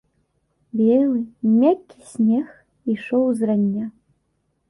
Белы, мяккі снег ішоў з рання.